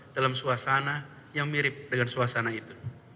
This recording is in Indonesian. dalam suasana yang mirip dengan suasana itu